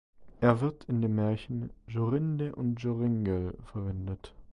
Er wird in dem Märchen "Jorinde und Joringel" verwendet.